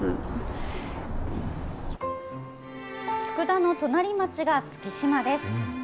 佃の隣町が月島です。